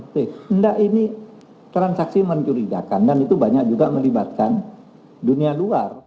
tidak ini transaksi mencurigakan dan itu banyak juga melibatkan dunia luar